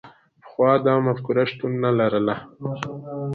پخوا دا مفکوره شتون نه لرله.